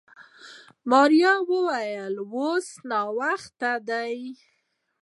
ماريا وويل اوس ناوخته دی.